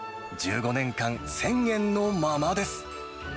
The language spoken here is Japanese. １５年間、１０００円のままです。